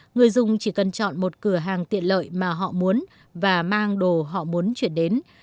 người dùng chỉ cần chọn một cửa hàng tiện lợi mà họ muốn và mang đồ họ muốn chuyển đến